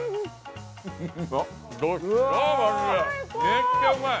めっちゃうまい！